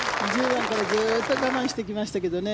１０番からずっと我慢してきましたけどね